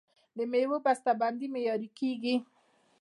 د میوو بسته بندي معیاري کیږي.